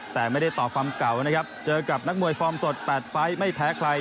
แต่ไม่ได้ต่อความเก่านะครับเจอกับนักมวยฟอร์มสด๘ไฟล์ไม่แพ้ใคร